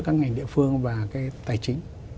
các ngành địa phương và tài chính